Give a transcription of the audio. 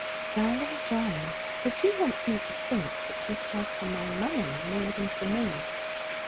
'Darling John, did you want me to think that you cared for my money, more than for me?'